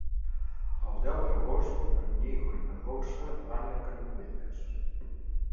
El deu d'agost en Nico i na Dolça van a Canovelles.